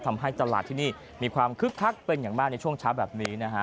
ทำให้ตลาดที่นี่มีความคึกคักเป็นอย่างมากในช่วงเช้าแบบนี้นะฮะ